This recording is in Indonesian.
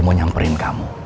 dia mau nyamperin kamu